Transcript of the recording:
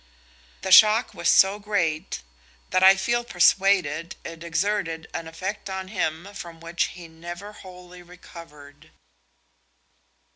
The shock was so great that I feel persuaded it exerted an effect on him from which he never wholly recovered.